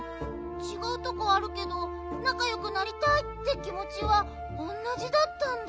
ちがうとこあるけどなかよくなりたいってきもちはおんなじだったんだ。